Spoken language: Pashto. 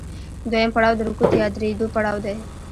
دویم پړاو د رکود یا درېدو پړاو دی